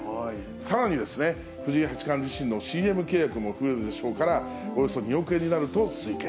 さらに、藤井八冠自身のＣＭ契約も増えるでしょうから、およそ２億円になると推計。